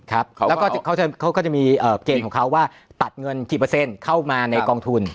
แล้วก็เขาก็จะมีเกณฑ์ของเขาว่าตัดเงินกี่เปอร์เซ็นต์เข้ามาในกองทุน